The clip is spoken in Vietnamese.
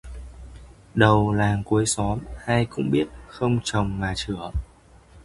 Đầu làng cuối xóm ai cũng biết không chồng mà chửa